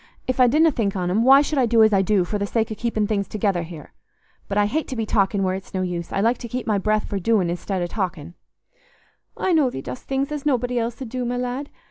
If I didna think on 'em, why should I do as I do, for the sake o' keeping things together here? But I hate to be talking where it's no use: I like to keep my breath for doing i'stead o' talking." "I know thee dost things as nobody else 'ud do, my lad.